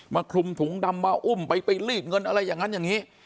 คลุมถุงดำมาอุ้มไปรีดเงินอะไรอย่างนั้นอย่างนี้